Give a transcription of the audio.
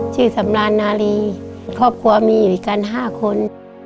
ชื่อสำราญนาลีครอบครัวมีอยู่กัน๕คน